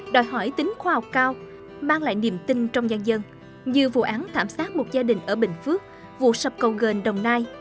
đòi hỏi tính khoa học cao mang lại niềm tin trong giang dân như vụ án thảm sát một gia đình ở bình phước vụ sập cầu gành đồng nai